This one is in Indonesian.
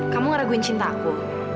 kamu ngeraguin cintaku